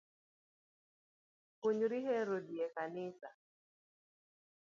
Puonjri hero dhii e kanisa